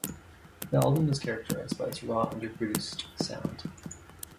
The album is characterized by its raw, under-produced sound.